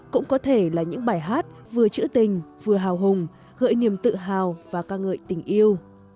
cũng có thể là những bài hát vừa trữ tình vừa hào hùng gợi niềm tự hào và ca ngợi tình yêu